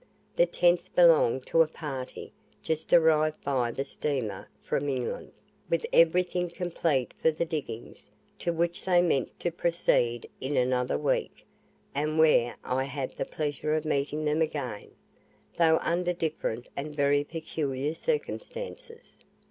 The tents belonged to a party just arrived by the steamer from England, with everything complete for the diggings, to which they meant to proceed in another week, and where I had the pleasure of meeting them again, though under different and very peculiar circumstances.